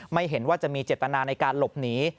ไม่เห็นว่าจะมีเจตนาในการหลบหนี